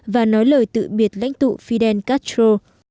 và nói lời tự biệt lãnh tụ fidel castro